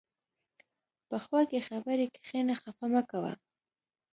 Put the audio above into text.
په خوږې خبرې کښېنه، خفه مه کوه.